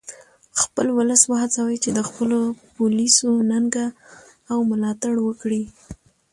خپل ولس و هڅوئ چې د خپلو پولیسو ننګه او ملاتړ وکړي